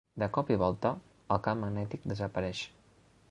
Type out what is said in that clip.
De cop i volta, el camp magnètic desapareix.